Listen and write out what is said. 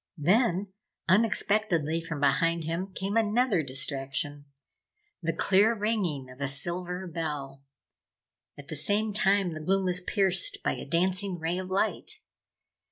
Then, unexpectedly from behind him came another distraction the clear ringing of a silver bell. At the same time the gloom was pierced by a dancing ray of light.